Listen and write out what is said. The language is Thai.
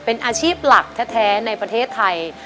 เป็นอาชีพหลักแท้ในประเทศไทย